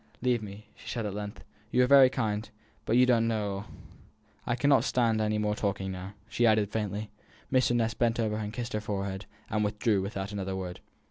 "Leave me," she said, at length. "You are very kind, but you don't know all. I cannot stand any more talking now," she added, faintly. Mr. Ness bent over her and kissed her forehead, and withdrew without another word.